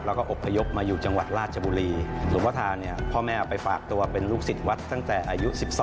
แล้วก็อบพยพมาอยู่จังหวัดราชบุรีหลวงพ่อทาเนี่ยพ่อแม่เอาไปฝากตัวเป็นลูกศิษย์วัดตั้งแต่อายุ๑๒